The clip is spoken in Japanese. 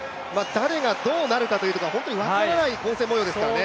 誰がどうなるかということが本当に分からない混戦模様ですからね。